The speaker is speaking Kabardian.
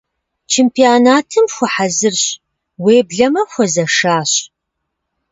Чемпионатым хуэхьэзырщ, уеблэмэ хуэзэшащ.